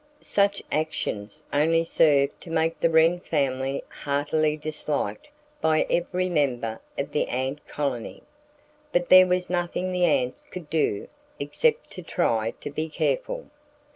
Such actions only served to make the Wren family heartily disliked by every member of the ant colony. But there was nothing the ants could do except to try to be careful.